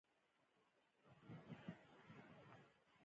حسي نیورون د ورانه له مخنۍ عضلې سره نښتي.